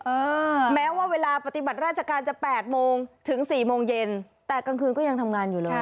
เออแม้ว่าเวลาปฏิบัติราชการจะแปดโมงถึงสี่โมงเย็นแต่กลางคืนก็ยังทำงานอยู่เลย